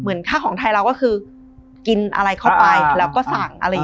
ค่าของไทยเราก็คือกินอะไรเข้าไปแล้วก็สั่งอะไรอย่างนี้